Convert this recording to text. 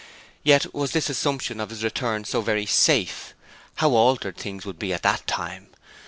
Yet was this assumption of his return so very safe? How altered things would be at that time!